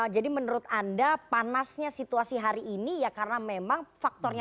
jadi menurut anda panasnya situasi hari ini ya karena memang faktornya